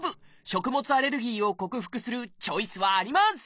食物アレルギーを克服するチョイスはあります！